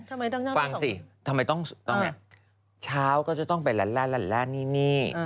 ทำไมต้องหน้าสองฟังสิทำไมต้องต้องไงช้าก็จะต้องไปละละละละละนี่นี่